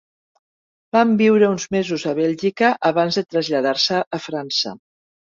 Van viure uns mesos a Bèlgica abans de traslladar-se a França.